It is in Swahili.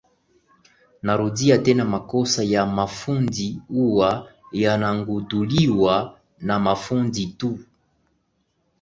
Narudia tena makosa ya mafundi huwa yanagunduliwa na mafundi tu